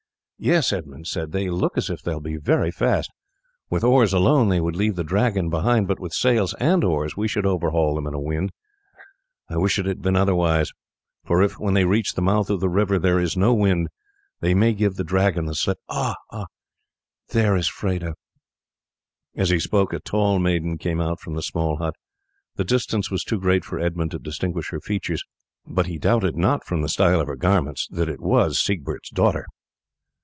"Yes," Edmund said, "they look as if they will be very fast. With oars alone they would leave the Dragon behind, but with sails and oars we should overhaul them in a wind. I wish it had been otherwise, for if, when they reach the mouth of the river, there is no wind, they may give the Dragon the slip. Ah!" he exclaimed, "there is Freda." As he spoke a tall maiden came out from the small hut. The distance was too great for Edmund to distinguish her features, but he doubted not from the style of her garments that it was Siegbert's daughter.